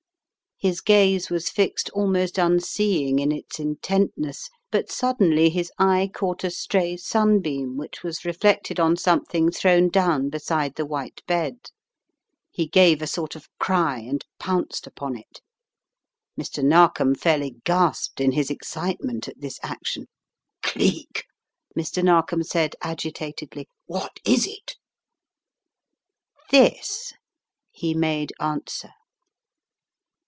His gaze was fixed almost unseeing in its intent ness, but suddenly his eye caught a stray sunbeam which was reflected on something thrown down beside the white bed. He gave a sort of cry and pounced upon it. Mr. Narkom fairly gasped in his excitement, at this action. "Cleek!" Mr. Naxkom said, agitatedly. "What is it?" "This," he made answer.